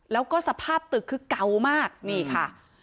แล้วก็สภาพตึกคือเก่ามากนี่ค่ะ